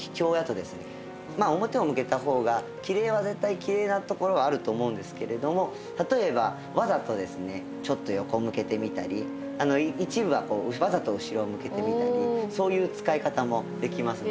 まあ表を向けた方がきれいは絶対きれいなところはあると思うんですけれども例えばわざとですねちょっと横向けてみたり一部はわざと後ろを向けてみたりそういう使い方もできますので。